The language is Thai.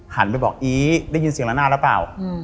หันไปบอกอี๊ได้ยินเสียงละนาดหรือเปล่า